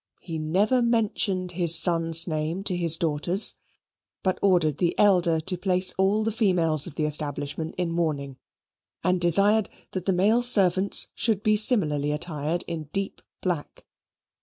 He never mentioned his son's name to his daughters; but ordered the elder to place all the females of the establishment in mourning; and desired that the male servants should be similarly attired in deep black.